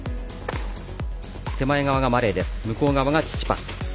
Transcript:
手前側がマレーで向こう側がチチパス。